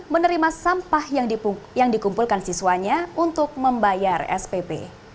menerima sampah yang dikumpulkan siswanya untuk membayar spp